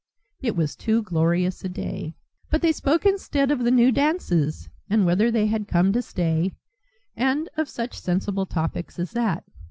It was too glorious a day. But they spoke instead of the new dances, and whether they had come to stay, and of such sensible topics as that.